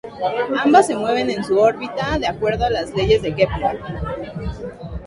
Ambas se mueven en su órbita de acuerdo a las Leyes de Kepler.